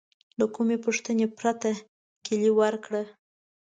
له کومې پوښتنې پرته کیلي ورکړه.